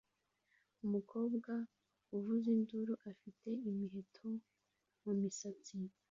Umukobwa avuza induru afite imiheto mumisatsi